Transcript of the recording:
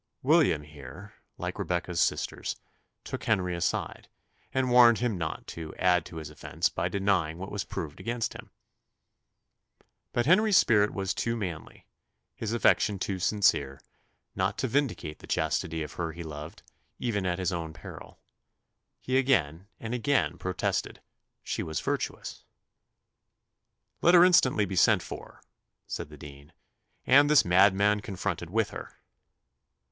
William here, like Rebecca's sisters, took Henry aside, and warned him not to "add to his offence by denying what was proved against him." But Henry's spirit was too manly, his affection too sincere, not to vindicate the chastity of her he loved, even at his own peril. He again and again protested "she was virtuous." "Let her instantly be sent for," said the dean, "and this madman confronted with her."